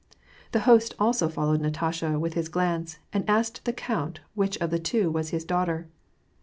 The host also followed Natasha with his glance, and asked the count which of the two was his daughter.